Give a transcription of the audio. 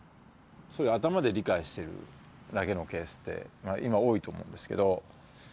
そういう頭で理解しているだけのケースって今多いと思うんですけど。